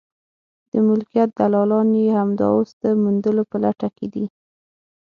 د ملکیت دلالان یې همدا اوس د موندلو په لټه کې دي.